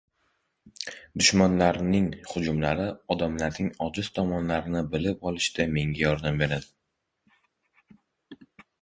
Dushmanlarning hujumlari odamlarning ojiz tomonlarini bilib olishda menga yordam berdi.